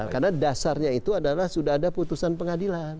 karena dasarnya itu adalah sudah ada putusan pengadilan